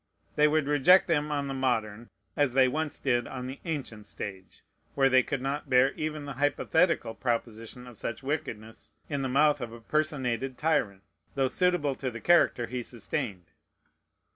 They would reject them on the modern, as they once did on the ancient stage, where they could not bear even the hypothetical proposition of such wickedness in the mouth of a personated tyrant, though suitable to the character he sustained.